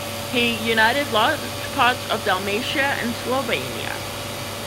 He united large parts of Dalmatia and Slavonia.